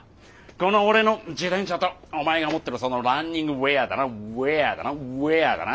この俺の自転車とお前が持ってるそのランニングウエアだなウエアだなウエアだな。